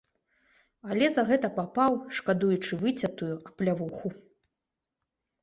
Але за гэта папаў, шкадуючы выцятую, аплявуху.